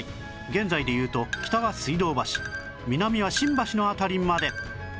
現在でいうと北は水道橋南は新橋の辺りまで